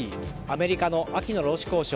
アメリカの秋の労使交渉。